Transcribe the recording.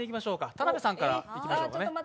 田辺さんからいきましょう。